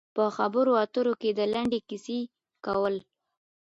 په خبرو اترو کې د لنډې کیسې کول.